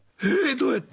どうやって？